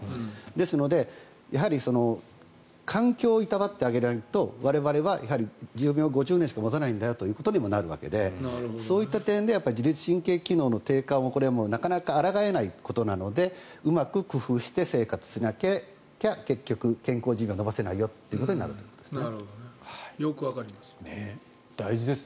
ですので、やはり環境をいたわってあげないと我々は寿命が５０年しか持たないんだよということにもなるわけでそういった点で自律神経の機能の低下はこれはもうなかなかあらがえないことなのでうまく工夫して生活しなきゃ結局、健康寿命を延ばせないよということになります。